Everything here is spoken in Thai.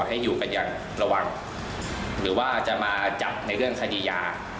ให้อยู่กันอย่างระวังหรือว่าจะมาจับในเรื่องคดียา